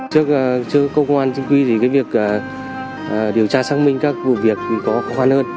trước công an chính quy điều tra xác minh các vụ việc có khó khăn hơn